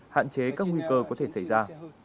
hạn chế các nguy cơ có thể xảy ra